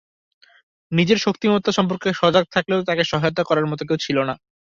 নিজের শক্তিমত্তা সম্পর্কে সজাগ থাকলেও তাকে সহায়তা করার মতো কেউ ছিল না।